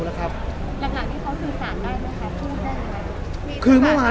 แล้วครับแล้วค่ะที่เขาสื่อสารได้ไหมคะพูดได้ไหมคือเมื่อมา